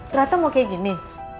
ternyata mau kayak gini